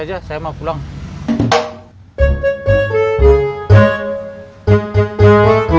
ini angkot keberuntungan kita